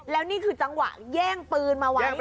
แล้วนี่คือจังหวะแย่งปืนมาไว้